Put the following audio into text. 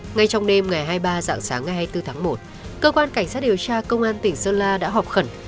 ngay trong đêm ngày hai mươi ba dạng sáng ngày hai mươi bốn tháng một